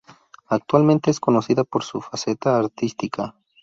Actualmente es conocida por su faceta artística.